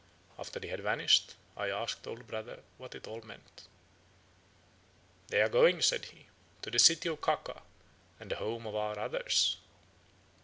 After they had vanished, I asked old brother what it all meant. "'They are going,' said he, 'to the city of Ka ka and the home of our others.'